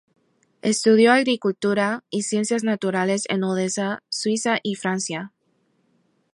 Estudió agricultura y ciencias naturales en Odessa, Suiza y Francia.